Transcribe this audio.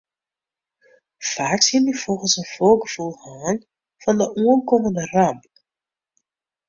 Faaks hiene dy fûgels in foargefoel hân fan de oankommende ramp.